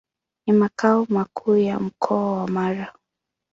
Ni makao makuu ya Mkoa wa Mara.